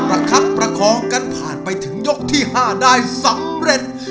คับประคองกันผ่านไปถึงยกที่๕ได้สำเร็จ